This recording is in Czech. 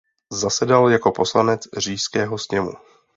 Zasedal jako poslanec Říšského sněmu.